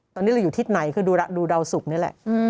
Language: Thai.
ตอนนี้เราอยู่ที่ไหนคือดูดาวสุกนี่แหละ